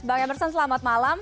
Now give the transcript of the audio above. bang emerson selamat malam